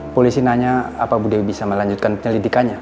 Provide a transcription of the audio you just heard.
polisi nanya apa bu dewi bisa melanjutkan penyelidikannya